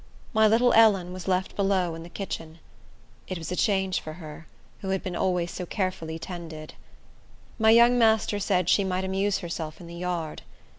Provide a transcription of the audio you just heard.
My little Ellen was left below in the kitchen. It was a change for her, who had always been so carefully tended. My young master said she might amuse herself in the yard.